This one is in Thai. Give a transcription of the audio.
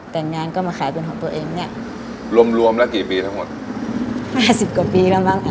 แต่งงานก็มาขายเป็นของตัวเองเนี้ยรวมรวมแล้วกี่ปีทั้งหมดห้าสิบกว่าปีแล้วมั้ง